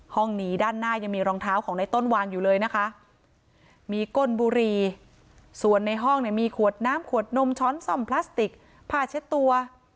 หนีด้านหน้ายังมีรองเท้าของในต้นวางอยู่เลยนะคะมีก้นบุรีส่วนในห้องเนี่ยมีขวดน้ำขวดนมช้อนซ่อมพลาสติกผ้าเช็ดตัว